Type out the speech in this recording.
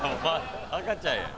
赤ちゃんやん。